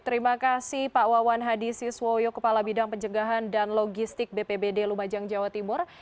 terima kasih pak wawan hadi siswoyo kepala bidang pencegahan dan logistik bpbd lumajang jawa timur